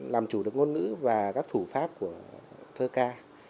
làm chủ được ngôn ngữ và các thủ pháp của thơ ca